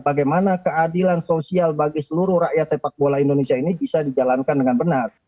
bagaimana keadilan sosial bagi seluruh rakyat sepak bola indonesia ini bisa dijalankan dengan benar